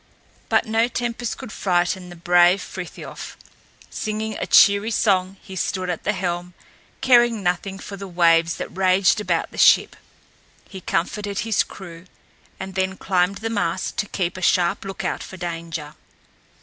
But no tempest could frighten the brave Frithiof. Singing a cheery song he stood at the helm, caring nothing for the waves that raged about the ship. He comforted his crew, and then climbed the mast to keep a sharp lookout for danger.